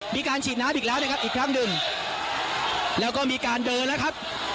มีการฉีดน้ำอีกแล้วนะครับอีกครั้งหนึ่งแล้วก็มีการเดินแล้วครับ